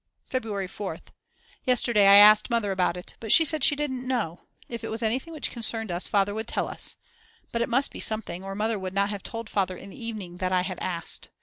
February 4th. Yesterday I asked Mother about it. But she said she didn't know; if it was anything which concerned us, Father would tell us. But it must be something, or Mother would not have told Father in the evening that I had asked.